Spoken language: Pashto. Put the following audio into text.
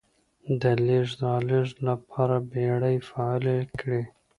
د لېږد رالېږد لپاره بېړۍ فعالې کړې.